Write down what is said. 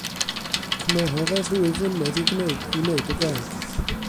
Cymerodd e ddwy flynedd i wneud y gwaith.